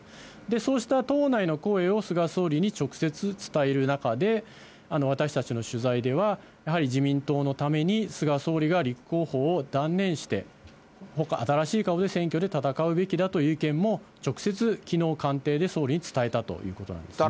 そうした党内の声を菅総理に直接伝える中で、私たちの取材では、やはり自民党のために菅総理が立候補を断念して、新しい顔で選挙で戦うべきだという意見も、直接きのう、官邸で総理に伝えたということなんですね。